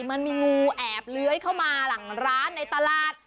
มันมีงูแอบเลื้อยเข้ามาหลังร้านในตลาด